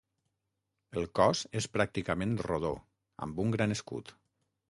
El cos és pràcticament rodó, amb un gran escut.